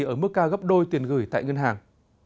ở mức cao gấp đôi tiền gửi tại ngân hàng